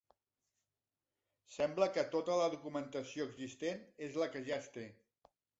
Sembla que tota la documentació existent és la que ja es té.